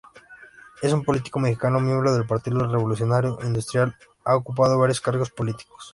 Es un político mexicano, miembro del Partido Revolucionario Institucional, ha ocupado varios cargos políticos.